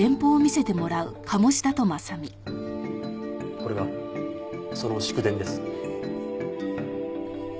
これがその祝電です。